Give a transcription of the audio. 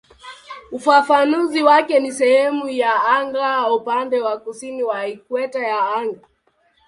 Ufafanuzi wake ni "sehemu ya anga upande wa kusini wa ikweta ya anga".